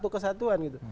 tidak kesatuan gitu